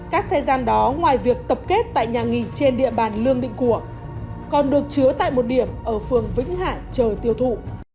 các xe gian đó ngoài việc tập kết tại nhà nghỉ trên địa bàn lương định của còn được chứa tại một điểm ở phường vĩnh hải chờ tiêu thụ